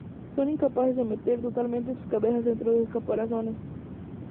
Son incapaces de meter totalmente sus cabezas dentro de sus caparazones.